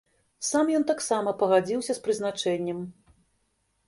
Сам ён таксама пагадзіўся з прызначэннем.